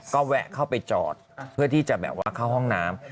ก็แวะเข้าไปจอดเพื่อที่จะแบบว่าเข้าห้องน้ำ